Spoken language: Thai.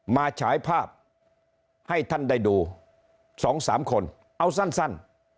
ฉายภาพให้ท่านได้ดู๒๓คนเอาสั้น